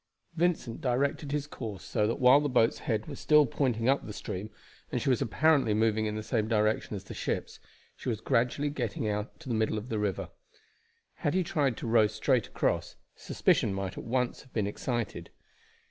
Vincent directed his course so that while the boat's head was still pointing up the stream, and she was apparently moving in the same direction as the ships, she was gradually getting out to the middle of the river. Had he tried to row straight across suspicion might at once have been excited.